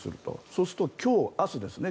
そうすると今日明日ですね